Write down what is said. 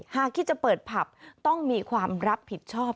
หากคิดจะเปิดผับต้องมีความรับผิดชอบ